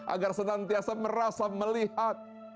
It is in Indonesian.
agar senantiasa merasa melihat